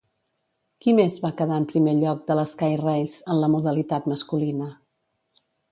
Qui més va quedar en primer lloc de la Skyrace en la modalitat masculina?